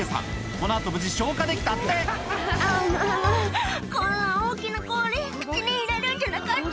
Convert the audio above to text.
この後無事消火できたって「あんこんな大きな氷口に入れるんじゃなかった」